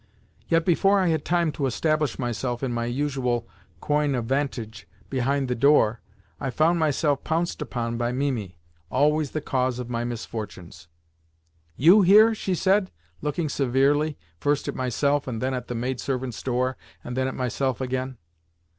Yet before I had time to establish myself in my usual coign of vantage behind the door I found myself pounced upon by Mimi—always the cause of my misfortunes! "You here?" she said, looking severely, first at myself, and then at the maidservants' door, and then at myself again.